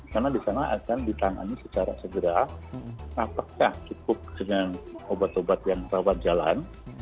karena di sana akan ditangani secara segera apakah cukup dengan obat obat yang rawan jalan